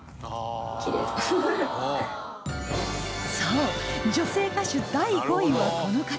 そう女性歌手第５位はこの方